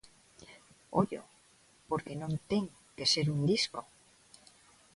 Ollo, porque non ten que ser un disco.